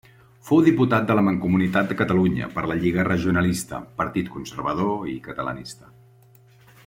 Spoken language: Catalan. Fou diputat de la Mancomunitat de Catalunya per la Lliga Regionalista, partit conservador i catalanista.